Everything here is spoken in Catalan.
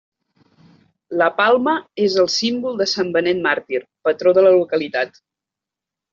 La palma és el símbol de Sant Benet Màrtir, patró de la localitat.